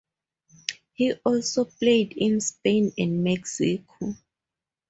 He also played in Spain and Mexico.